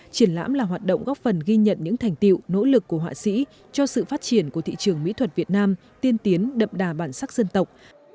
triển lãm là hoạt động góp phần ghi nhận những thành tiệu nỗ lực của họa sĩ cho sự phát triển của thị trường mỹ thuật việt nam tiên tiến đậm đà bản sắc dân tộc